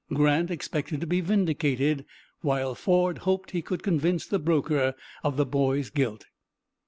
Grant expected to be vindicated, while Ford hoped he could convince the broker of the boy's guilt.